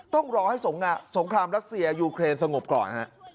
ต้องรอให้สงครามรัสเซียยูเครนสงบก่อนฮะ